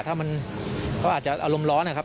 ถ้ามันเขาอาจจะอารมณ์ร้อนนะครับ